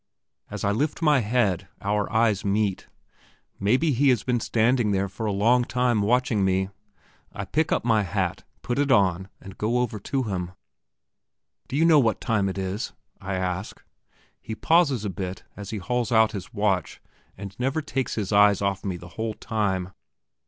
As I lift my head, our eyes meet. Maybe he has been standing there for a long time watching me. I pick up my hat, put it on, and go over to him. "Do you know what time it is?" I ask. He pauses a bit as he hauls out his watch, and never takes his eyes off me the whole time.